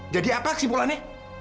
jadi apa kesimpulannya